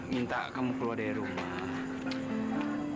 minta kamu keluar dari rumah